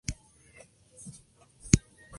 Es una historia original de Delia Fiallo.